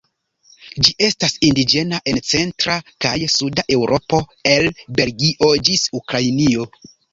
Ĝi estas indiĝena en centra kaj suda Eŭropo el Belgio ĝis Ukrainio.